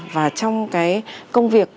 và trong cái công việc